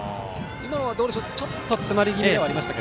今のはちょっと詰まり気味でしたか？